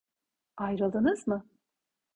Ayrıldınız mı?